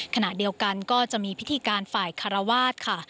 ขณะเดียวกันก็จะมีพิธีการฝ่ายคารวาสค่ะ